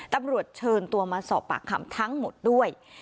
ตำรวจเชิญตัวมาสอบปากคำทั้งหมดด้วย